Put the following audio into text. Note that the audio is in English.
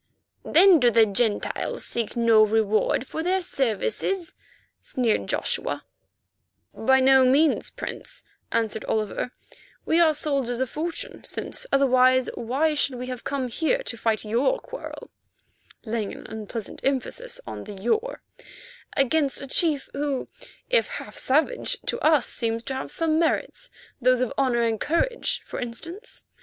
"Then do the Gentiles seek no reward for their services?" sneered Joshua. "By no means, Prince," answered Oliver, "we are soldiers of fortune, since otherwise why should we have come here to fight your quarrel" (laying an unpleasant emphasis on the "your") "against a chief who, if half savage, to us seems to have some merits, those of honour and courage, for instance?